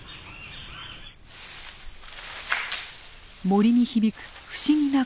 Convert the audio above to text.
森に響く不思議な声。